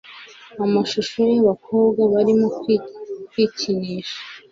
amashusho y'abakobwa barimo kwikinisha